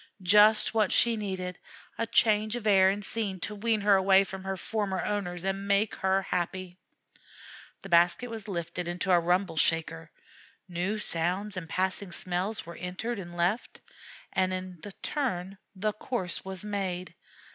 "Just what she needed: a change of air and scene to wean her away from her former owners and make her happy." The basket was lifted into a Rumble shaker. New sounds and passing smells were entered and left. A turn in the course was made.